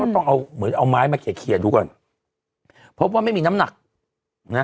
ต้องเอาเหมือนเอาไม้มาเขียนดูก่อนพบว่าไม่มีน้ำหนักนะ